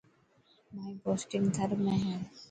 مائي پوسٽنگ ٿر ۾ هي.